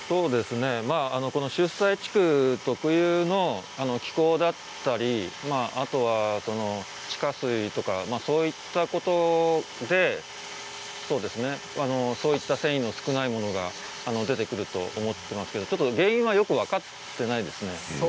この出西地区特有の気候だったり、あとは地下水とかそういったことで繊維の少ないものが出てくると思っていますけれども原因はよく分かっていないですね。